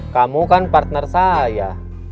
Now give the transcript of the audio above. kamu kan partner saya